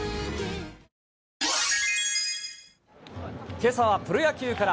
けさはプロ野球から。